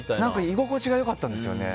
居心地が良かったんですよね。